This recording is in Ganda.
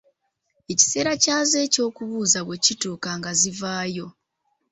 Ekiseera kyazo eky'okubuuza bwe kituuka nga zivaayo.